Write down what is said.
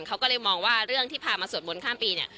เขาก็เลยมองว่าเรื่องที่พามาสวดมนต์ข้ามปีเนี่ย